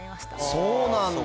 そうなんだ。